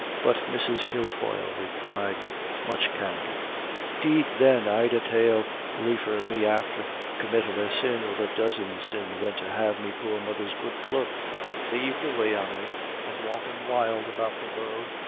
But Mrs. Kilfoyle replied with much candor, "'Deed, then, I'd a dale liefer be after committin' a sin, or a dozen sins, than to have me poor mother's good cloak thieved away on me, and walkin' wild about the world."